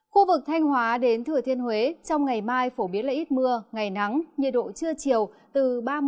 khu vực thanh hóa đến thừa thiên huế trong ngày mai phổ biến là ít mưa ngày nắng nhiệt độ trưa chiều